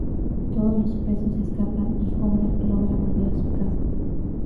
Todos los presos escapan y Homer logra volver a su casa.